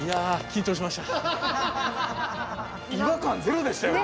違和感ゼロでしたよ。